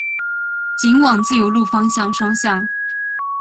仅往自由路方向双向